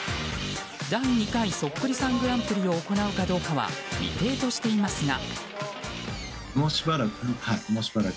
第２回そっくりさんグランプリを行うかどうかは未定としていますが。